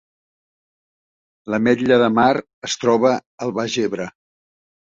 L’Ametlla de Mar es troba al Baix Ebre